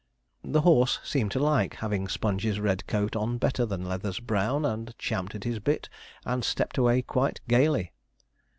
The horse seemed to like having Sponge's red coat on better than Leather's brown, and champed his bit, and stepped away quite gaily.